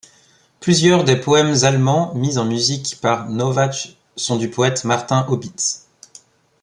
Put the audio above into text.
Plusieurs des poèmes allemands mis en musique par Nauwach sont du poète Martin Opitz.